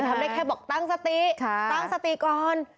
ทำได้แค่บอกตั้งสติตั้งสติก่อน